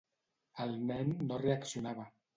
El nen no reaccionava.